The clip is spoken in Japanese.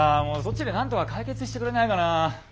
もうそっちでなんとか解決してくれないかなあ。